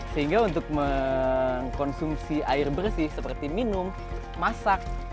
sehingga untuk mengkonsumsi air bersih seperti minum masak